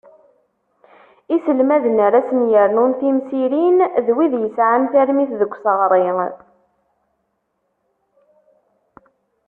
Iselmaden ara sen-yernun timsirin, d wid yesεan tarmit deg useɣṛi.